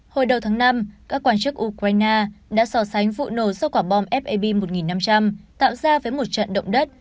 hồi đầu tháng năm các quan chức ukraine đã so sánh vụ nổ do quả bom fab một nghìn năm trăm linh tạo ra với một trận động đất